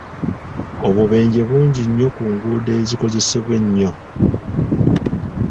Obubenje bungi nnyo ku nguudo ezikozesebwa ennyo .